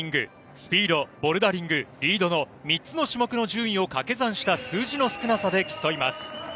スピード、ボルダリングリードの３つの種目の順位をかけ算した数字の少なさで競います。